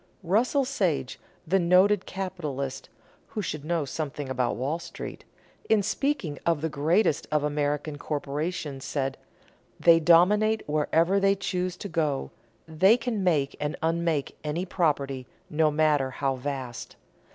Russell Sage, the noted capitalist (who should know something of Wall Street), in speaking of the greatest of American corporations, said: "They dominate wherever they choose to go. They can make and unmake any property, no matter how vast.